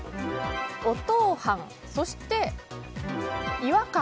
おとう飯、そして違和感。